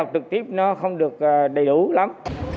trực tiếp nó không được đầy đủ lắm